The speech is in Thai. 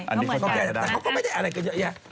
อันนี้เขาแก่แต่เขาไม่แก่